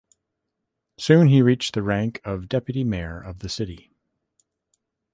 Soon he reached the rank of deputy mayor of the city.